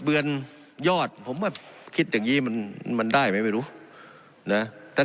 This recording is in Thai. เบือนยอดผมก็คิดอย่างนี้มันมันได้ไหมไม่รู้นะถ้า